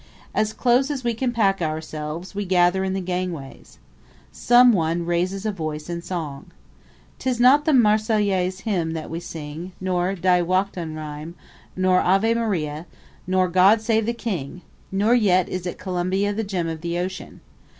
As close as we can pack ourselves, we gather in the gangways. Some one raises a voice in song. 'Tis not the Marseillaise hymn that we sing, nor Die Wacht am Rhein, nor Ava Maria, nor God Save the King; nor yet is it Columbia the Gem of the Ocean.